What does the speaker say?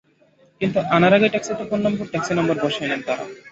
কিন্তু আনার আগেই ট্যাক্সিতে ফোন নম্বর, ট্যাক্সি নম্বর বসিয়ে নেন তাঁরা।